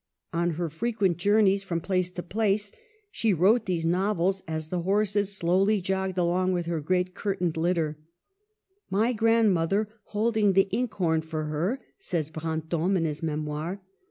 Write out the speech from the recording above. On her frequent journeys from place to place she wrote these novels as the horses slowly jogged along with her great curtained litter, '' my grandmother holding the ink horn for her," says Brantome in his Memoir.